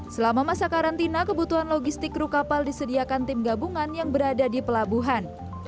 selama masa karantina kebutuhan logistik kru kapal disediakan tim gabungan yang berada di pelabuhan